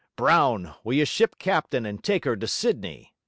"Brown, will you ship captain and take her to Sydney?"